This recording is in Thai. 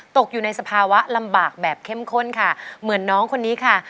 ตกอยู่ในสภาวะลำบากแบบเข้มข้นค่ะเหมือนน้องคนนี้ค่ะ